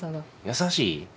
優しい？